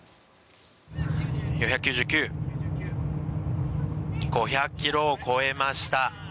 ４９９５００キロを超えました。